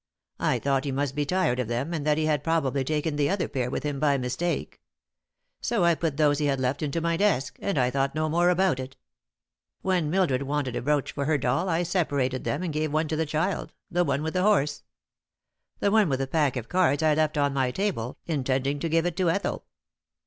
I thought he must be tired of them, and that he had probably taken the other pair with him by mistake. So I put those he had left into my desk, and I thought no more about it. When Mildred wanted a brooch for her doll I separated them and gave one to the child the one with the horse. The one with the pack of cards I left on my table, intending to give it to Ethel."